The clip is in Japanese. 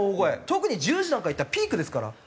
特に１０時なんか行ったらピークですから。